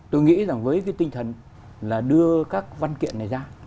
tôi nghĩ rằng với cái tinh thần là đưa các văn kiện này ra